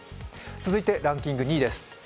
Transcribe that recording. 続いてランキング２位です。